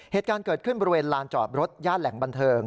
เหตุการณ์เกิดขึ้นบริเวณลานจอดรถย่านแหล่งบันเทิง